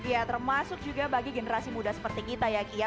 ya termasuk juga bagi generasi muda seperti kita ya kia